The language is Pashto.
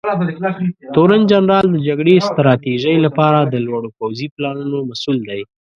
تورنجنرال د جګړې ستراتیژۍ لپاره د لوړو پوځي پلانونو مسوول دی.